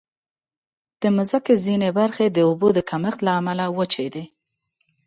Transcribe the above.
د مځکې ځینې برخې د اوبو د کمښت له امله وچې دي.